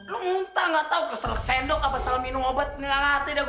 lu muntah nggak tau kesel sendok apa soal minum obat nggak ngerti dah gua